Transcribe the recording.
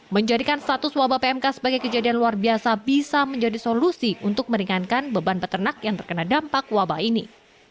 menjadikan status wabah pmk sebagai kejadian luar biasa bisa menjadi solusi untuk meringankan beban peternak yang terkena dampak wabah ini